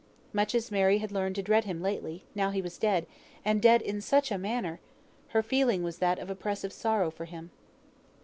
Much as Mary had learned to dread him lately, now he was dead (and dead in such a manner) her feeling was that of oppressive sorrow for him.